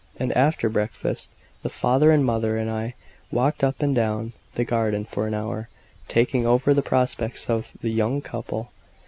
And after breakfast, the father and mother and I walked up and down the garden for an hour, talking over the prospects of the young couple.